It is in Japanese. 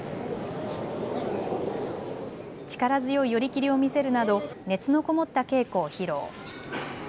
力強い寄り切りを見せるなど熱のこもった稽古を披露。